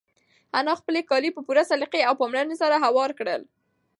انا خپل کالي په پوره سلیقې او پاملرنې سره هوار کړل.